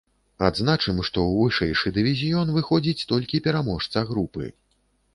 Адзначым, што ў вышэйшы дывізіён выходзіць толькі пераможца групы.